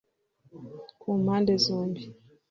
Ku mpande zombi